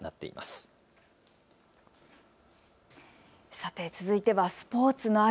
さて続いてはスポーツの秋。